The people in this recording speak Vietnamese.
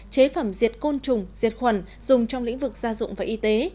chế phẩm diệt côn trùng diệt khuẩn dùng trong lĩnh vực gia dụng và y tế